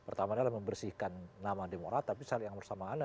pertama adalah membersihkan nama demorat tapi salah yang bersalahnya